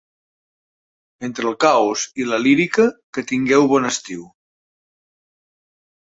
Entre el caos i la lírica, que tingueu bon estiu!